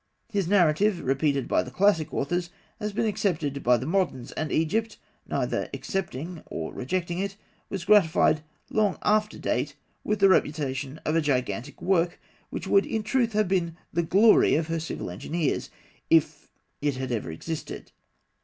His narrative, repeated by the classic authors, has been accepted by the moderns; and Egypt, neither accepting nor rejecting it, was gratified long after date with the reputation of a gigantic work which would in truth have been the glory of her civil engineers, if it had ever existed.